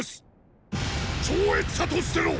超越者としての！